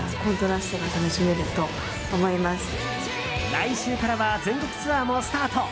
来週からは全国ツアーもスタート。